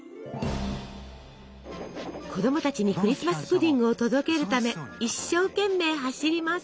子供たちにクリスマス・プディングを届けるため一生懸命走ります。